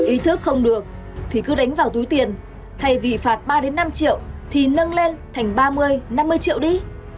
ý thức không được thì cứ đánh vào túi tiền thay vì phạt ba năm triệu thì nâng lên thành ba mươi năm mươi triệu đi